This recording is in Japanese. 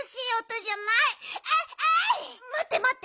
まってまって。